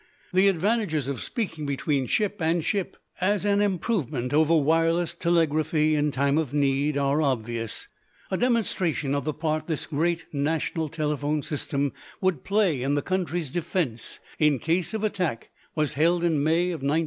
The advantages of speaking between ship and ship as an improvement over wireless telegraphy in time of need are obvious. A demonstration of the part this great national telephone system would play in the country's defense in case of attack was held in May of 1916.